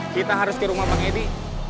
kita harus ke rumah bang edi